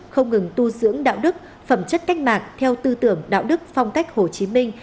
không ngừng tu dưỡng đạo đức phẩm chất cách mạng theo tư tưởng đạo đức phong cách hồ chí minh